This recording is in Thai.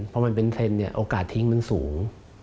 เพราะมันเป็นเทรนด์โอกาสทิ้งมันสูง